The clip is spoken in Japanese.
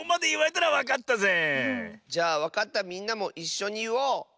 じゃあわかったみんなもいっしょにいおう！